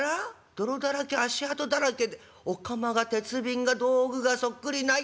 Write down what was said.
泥だらけ足跡だらけでお釜が鉄瓶が道具がそっくりない。